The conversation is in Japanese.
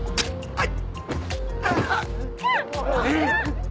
はい。